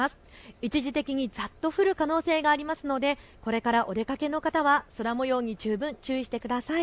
一時的にざっと降る可能性がありますので、これからお出かけの方は空もように十分注意してください。